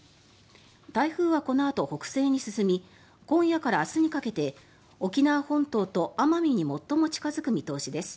台風はこのあと北西に進み今夜から明日にかけて沖縄本島と奄美に最も近付く見通しです。